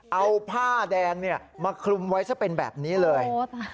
เอาผ้าแดงมาคลุมไว้ซะเป็นแบบนี้เลย